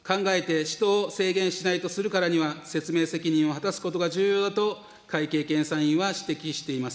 自治体の使い勝手を考えて使途を制限しないとするからには説明責任を果たすことが重要だと会計検査院は指摘しています。